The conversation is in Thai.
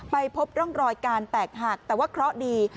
ไปพบร่องรอยการแตกหักแต่ว่าเคราะห์ดี